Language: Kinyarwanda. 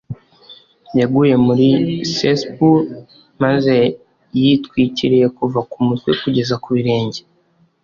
yaguye muri cesspool maze yitwikiriye kuva ku mutwe kugeza ku birenge